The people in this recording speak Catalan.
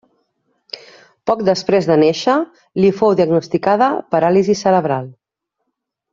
Poc després de néixer li fou diagnosticada paràlisi cerebral.